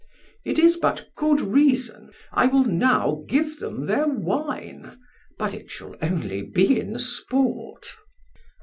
It is but good reason. I will now give them their wine, but it shall be only in sport.